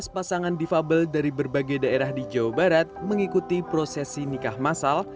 dua belas pasangan difabel dari berbagai daerah di jawa barat mengikuti prosesi nikah masal